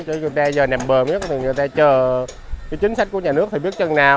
chứ người ta giờ nằm bờ miếng thì người ta chờ chính sách của nhà nước thì biết chân nào